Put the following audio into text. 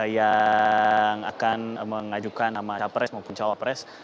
yang akan mengajukan nama capres maupun cawapres